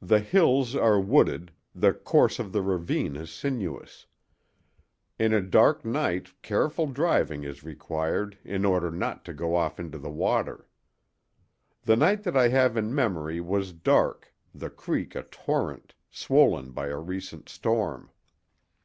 The hills are wooded, the course of the ravine is sinuous. In a dark night careful driving is required in order not to go off into the water. The night that I have in memory was dark, the creek a torrent, swollen by a recent storm.